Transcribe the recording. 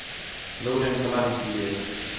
لَولیں صلاح ݙِتّی ہِے